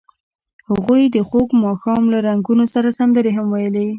هغوی د خوږ ماښام له رنګونو سره سندرې هم ویلې.